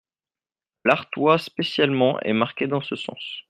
L'Artois spécialement est marqué dans ce sens.